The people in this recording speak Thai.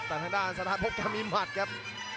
ต่างทางด้านสถานพบจะมีมัดครับ